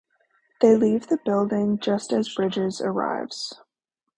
They leave the building just as Bridges arrives.